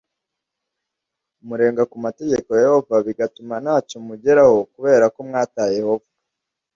Murenga ku mategeko ya yehova bigatuma nta cyo mugeraho t kubera ko mwataye yehova